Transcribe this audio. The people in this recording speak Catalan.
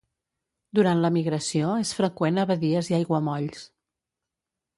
Durant la migració és freqüent a badies i aiguamolls.